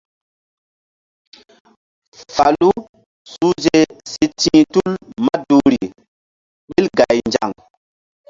Falu suhze si ti̧h tul maduhri ɓil gaynzaŋ.